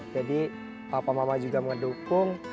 jadi papa mama juga mendukung